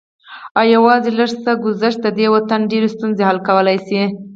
او يوازې لږ څه ګذشت د دې وطن ډېرې ستونزې حل کولی شي